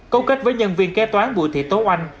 câu kết với nhân viên kế toán bùi thị tố anh